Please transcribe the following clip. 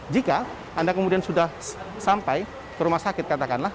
jika anda kemudian sudah sampai ke rumah sakit katakanlah